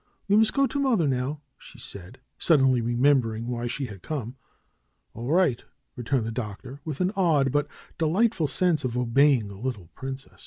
"But we must go to mother, now," she said, sud denly remembering why she had come. "All right!" returned the Doctor, with an odd, but delightful sense of obeying a little princess.